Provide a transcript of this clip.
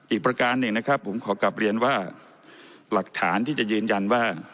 ประการหนึ่งนะครับผมขอกลับเรียนว่าหลักฐานที่จะยืนยันว่า